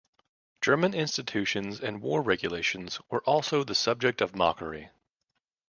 German institutions and war regulations were also the subject of mockery.